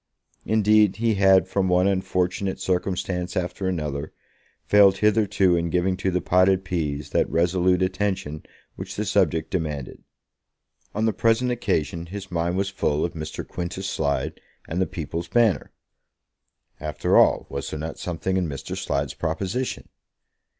Indeed, he had, from one unfortunate circumstance after another, failed hitherto in giving to the potted peas that resolute attention which the subject demanded. On the present occasion his mind was full of Mr. Quintus Slide and the People's Banner. After all, was there not something in Mr. Slide's proposition?